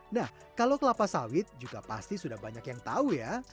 nah kalau kelapa sawit juga pasti sudah banyak yang tahu ya